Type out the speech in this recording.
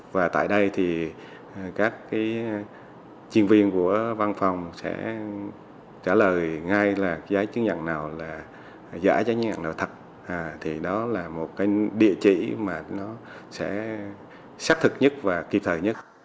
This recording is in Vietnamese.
và tại đây thì các chuyên viên của văn phòng sẽ trả lời ngay là giấy chứng nhận nào là giả giấy chứng nhận nào thật thì đó là một cái địa chỉ mà nó sẽ xác thực nhất và kịp thời nhất